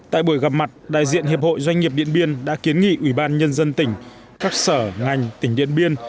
tại buổi gặp mặt đại diện hiệp hội doanh nghiệp điện biên đã kiến nghị ubnd tỉnh các sở ngành tỉnh điện biên